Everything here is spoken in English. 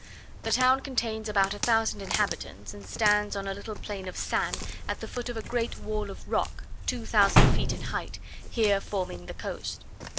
The town contains about a thousand inhabitants, and stands on a little plain of sand at the foot of a great wall of rock, 2000 feet in height, here forming the coast.